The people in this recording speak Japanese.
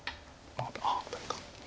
ああアタリか。